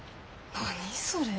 何それ。